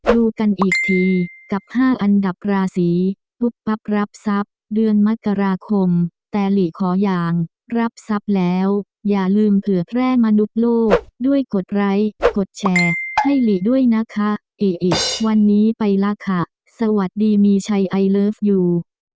ดูกันอีกทีกับ๕อันดับราศีปุ๊บปั๊บรับทรัพย์เดือนมกราคมแต่หลีขอยางรับทรัพย์แล้วอย่าลืมเผื่อแพร่มนุษย์โลกด้วยกดไลค์กดแชร์ให้หลีด้วยนะคะเอะวันนี้ไปละค่ะสวัสดีมีชัยไอเลิฟยู